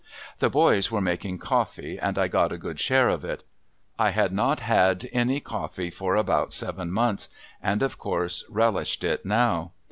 The boys were making coffee, and I got a good share of it. I had not had any coffee for about seven months, and of course relished it now.